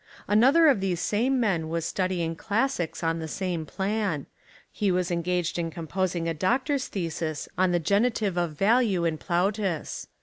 Another of these same men was studying classics on the same plan. He was engaged in composing a doctor's thesis on the genitive of value in Plautus.